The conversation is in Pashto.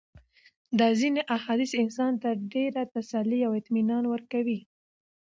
دا ځېني احاديث انسان ته ډېره تسلي او اطمنان ورکوي